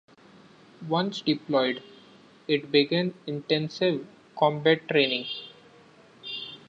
Once deployed, it began intensive combat training.